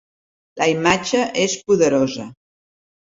La imatge és poderosa.